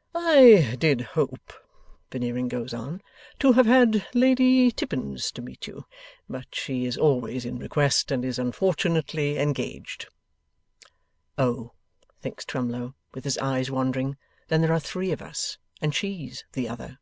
') 'I did hope,' Veneering goes on, 'to have had Lady Tippins to meet you; but she is always in request, and is unfortunately engaged.' ['Oh!' thinks Twemlow, with his eyes wandering, 'then there are three of us, and SHE'S the other.